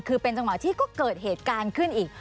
คือเป็นจังหวะที่ก็เกิดเหตุการณ์ขึ้นอีก